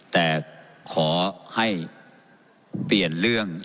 แต่ขอให้เปลี่ยนเรื่อง